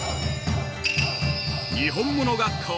「にほんもの学校」